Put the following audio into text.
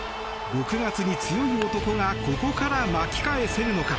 ６月に強い男がここから巻き返せるのか。